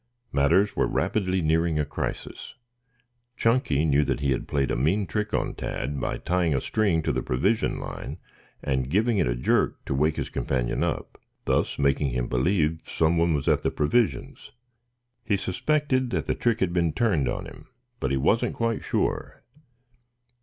Matters were rapidly nearing a crisis. Chunky knew that he had played a mean trick on Tad by tying a string to the provision line and giving it a jerk to wake his companion up, thus making him believe someone was at the provisions. He suspected that the trick had been turned on him, but he wasn't quite sure.